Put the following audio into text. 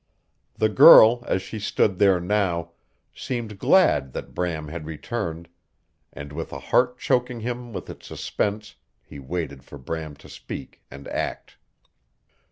The girl, as she stood there now, seemed glad that Bram had returned; and with a heart choking him with its suspense he waited for Bram to speak, and act.